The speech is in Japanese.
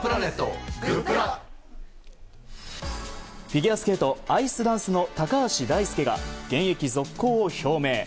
フィギュアスケートアイスダンスの高橋大輔が現役続行を表明。